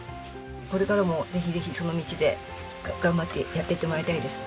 これからもぜひぜひその道で頑張ってやっていってもらいたいです。